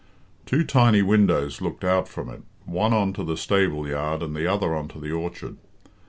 Two tiny windows looked out from it, one on to the stable yard and the other on to the orchard.